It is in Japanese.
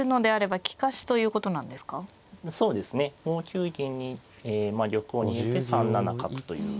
５九銀にまあ玉を逃げて３七角という。